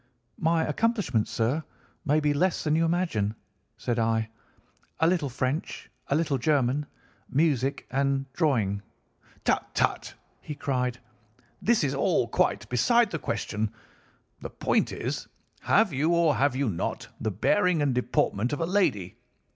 "'My accomplishments, sir, may be less than you imagine,' said I. 'A little French, a little German, music, and drawing—' "'Tut, tut!' he cried. 'This is all quite beside the question. The point is, have you or have you not the bearing and deportment of a lady?